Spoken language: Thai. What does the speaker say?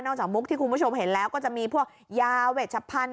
จากมุกที่คุณผู้ชมเห็นแล้วก็จะมีพวกยาเวชพันธุ